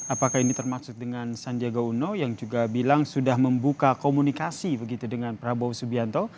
apakah ini termaksud dengan sandiaga uno yang juga bilang sudah membuka komunikasi begitu dengan prabowo subianto